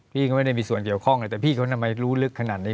พี่ก็ไม่ได้มีส่วนเกี่ยวข้องเลยแต่พี่เขาทำไมรู้ลึกขนาดนี้